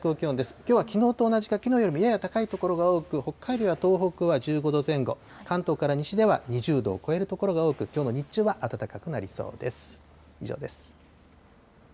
きょうはきのうと同じか、きのうよりもやや高い所が多く、北海道や東北は１５度前後、関東から西では２０度を超える所が多く、きょうの日中は暖かくなりそうです。